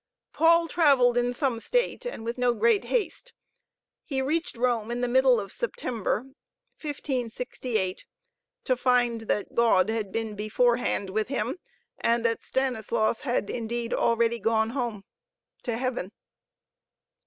Paul traveled in some state and with no great haste. He reached Rome in the middle of September, 1568, to find that God had been beforehand with him, and that Stanislaus had indeed already gone home, to heaven.